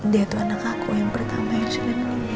dia tuh anak aku yang pertama yang sudah menindak